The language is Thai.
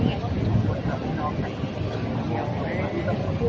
เรื่องการรักษาเชื้อหลาก